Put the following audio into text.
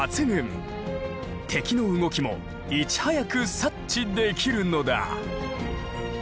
敵の動きもいち早く察知できるのだ。